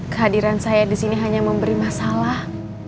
kehadiran saya disini hanya memberi masalah